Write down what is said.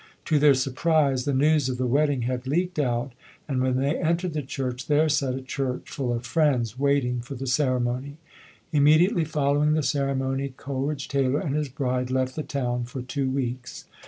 To their surprise, the news of the wed ding had leaked out and when they entered the church, there sat a church full of friends waiting for the ceremony. Immediately ] folio wing the ceremony Coleridge Taylor and his bride left the town for two weeks.